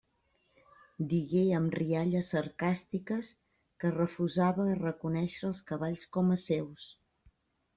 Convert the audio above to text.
Digué amb rialles sarcàstiques que es refusava a reconèixer els cavalls com a seus.